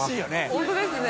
本当ですね。